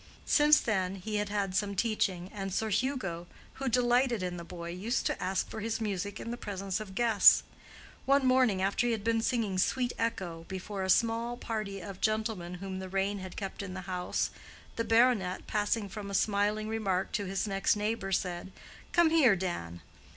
Since then he had had some teaching, and Sir Hugo, who delighted in the boy, used to ask for his music in the presence of guests. One morning after he had been singing "Sweet Echo" before a small party of gentlemen whom the rain had kept in the house, the baronet, passing from a smiling remark to his next neighbor said: "Come here, Dan!"